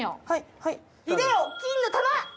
「はいはい」